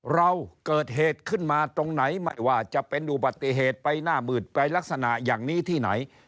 เราเกิดเหตุขึ้นมาตรงไหนไม่ว่าจะเป็นอุบัติเหตุไปหน้ามืดไปลักษณะอย่างนี้ที่ไหน